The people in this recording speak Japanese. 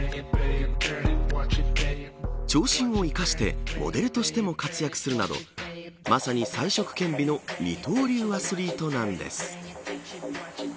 長身を生かしてモデルとしても活躍するなどまさに才色兼備の二刀流アスリートなんです。